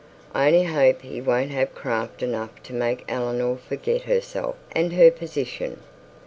'I only hope he won't have craft enough to make Eleanor forget herself and her position.'